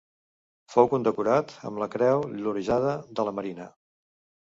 Fou condecorat amb la Creu Llorejada de la Marina.